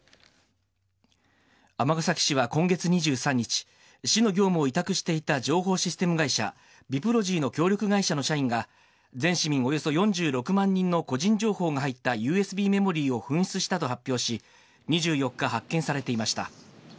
尼崎市は今月２３日、市の業務を委託していた情報システム会社、ビプロジーの協力会社の社員が、全市民およそ４６万人の個人情報が入ったＵＳＢメモリーを紛失したと発表し、２４日、発見されていました。